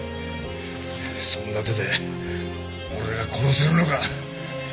そんな手で俺が殺せるのか？